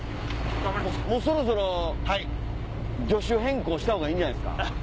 もうそろそろ魚種変更したほうがいいんじゃないですか。